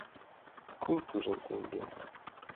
Кум тӱжем теҥге!